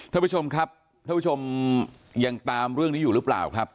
ท่านผู้ชมครับท่านผู้ชมยังตามเรื่องนี้อยู่หรือเปล่าครับ